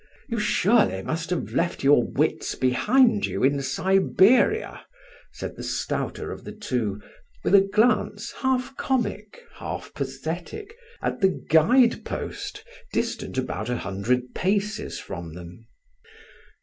You surely must have left your wits behind you in Siberia," said the stouter of the two, with a glance half comic, half pathetic at the guide post distant about a hundred paces from them.